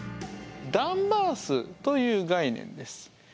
「ダンバー数」という概念です。